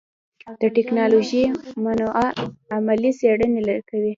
د ټکنالوژۍ موانع علمي څېړنې لرې کوي.